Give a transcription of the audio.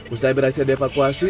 usai berhasil dievakuasi